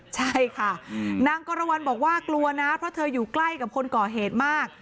ใช่ค่ะนางกรวรรณบอกว่ากลัวนะเพราะเธออยู่ใกล้กับคนก่อเหตุมาก